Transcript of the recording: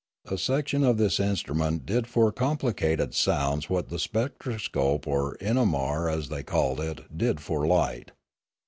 A section of this instrument did for compli cated sounds what the spectroscope, or inamar as they called it, did for light.